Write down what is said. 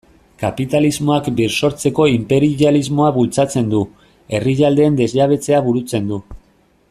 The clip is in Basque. Kapitalismoak birsortzeko inperialismoa bultzatzen du, herrialdeen desjabetzea burutzen du...